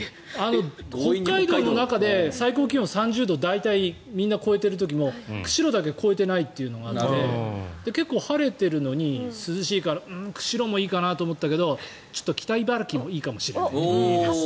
北海道の中で、最高気温３０度大体みんな超えている時も釧路だけは超えてないというのがあって結構、晴れてるのに涼しいからうーん、釧路もいいかなと思ったけどちょっと北茨城もいいかもしれない。